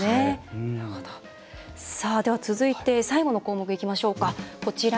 続いては最後の項目にいきましょう。